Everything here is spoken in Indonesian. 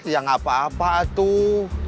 ya gak apa apa tuh